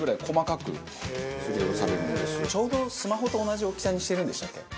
ちょうどスマホと同じ大きさにしてるんでしたっけ？